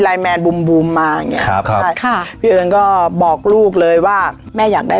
แมนบูมบูมมาอย่างเงี้ครับใช่ค่ะพี่เอิญก็บอกลูกเลยว่าแม่อยากได้